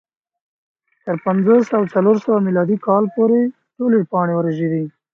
تر پنځوس او څلور سوه میلادي کاله پورې ټولې پاڼې ورژېدې